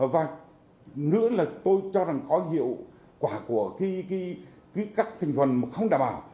vâng nữa là tôi cho rằng có hiệu quả của các thành phần không đảm bảo